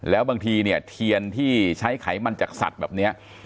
แล้วบางทีเนี่ยเทียนที่ใช้ไขมันจากสัตว์แบบนี้